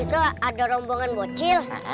itu ada rombongan bocil